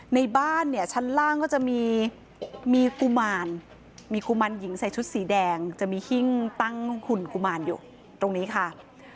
ในบ้านเนี่ยชั้นล่างก็จะมีมีกุมารมีกุมารหญิงใส่ชุดสีแดงจะมีหิ้งตั้งหุ่นกุมารอยู่ตรงนี้ค่ะ